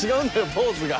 ポーズが。